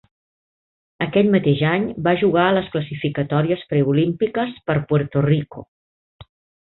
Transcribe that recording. Aquell mateix any, va jugar a les classificatòries preolímpiques per Puerto Rico.